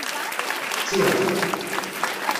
Ččiɣ-t.